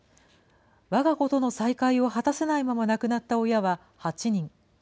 わが子との再会を果たせないまま亡くなった親は８人。